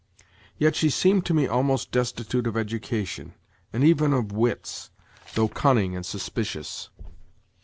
Yet she seemed to me almost destitute of education, and even of wits, though cunning and suspicious.